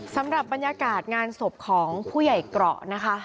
สำหรับบรรยากาศงานศพของผู้ใหญ่เกราะนะคะ